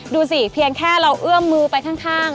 ดูสิเพียงแค่เราเอื้อมมือไปข้าง